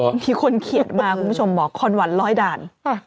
มีคนเขียนมาคุณผู้ชมบอกคอนหวันร้อยด่าน